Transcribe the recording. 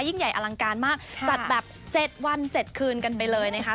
ยิ่งใหญ่อลังการมากจัดแบบ๗วัน๗คืนกันไปเลยนะคะ